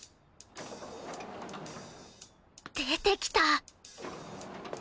出てきた！